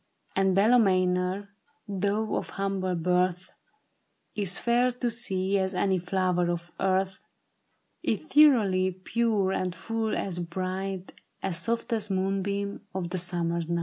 And Bella Maynor, though of humble birth, Is fair to see as any flower of earth, Ethereally pure, and full as bright As softest moonbeam of a summer's night.